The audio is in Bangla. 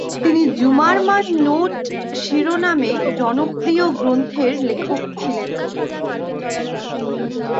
তিনি ‘জুমারমান নোট’ শিরোনামে জনপ্রিয় গ্রন্থের লেখক ছিলেন।